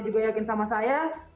juga yakin sama saya